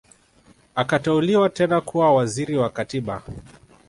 Akateuliwa tena kuwa Waziri wa Katiba